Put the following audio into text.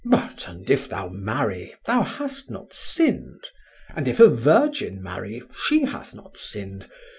But and if thou marry, thou hast not sinned; and if a virgin marry, she hath not sinned.